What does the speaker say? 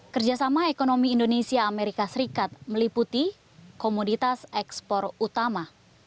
kerjasama ekonomi indonesia amerika serikat meliputi komoditas ekspor utama